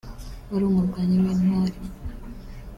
wari umurwanyi w’intwari